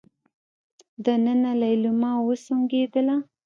دننه ليلما وسونګېدله.